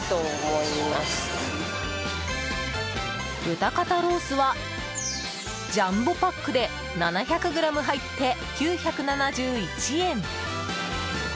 豚肩ロースはジャンボパックで７００ｇ入って、９７１円。